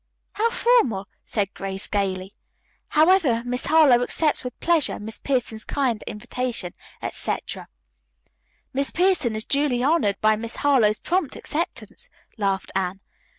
"How formal," said Grace gayly. "However, Miss Harlowe accepts with pleasure Miss Pierson's kind invitation, etc." "Miss Pierson is duly honored by Miss Harlowe's prompt acceptance," laughed Anne.